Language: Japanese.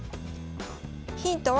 ヒントは。